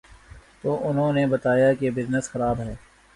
تو انہوں نے بتایا کہ بزنس خراب ہے۔